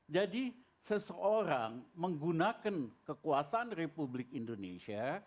jadi seseorang menggunakan kekuasaan republik indonesia